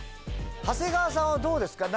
長谷川さんはどうですか？